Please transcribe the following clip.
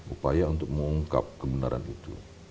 upaya untuk mengungkap kebenaran itu